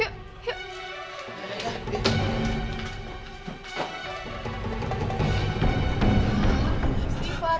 aku juga mau